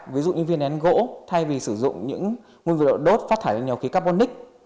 ví dụ như viên nén gỗ thay vì sử dụng những nguyên vật đốt phát thải nhau khí carbonic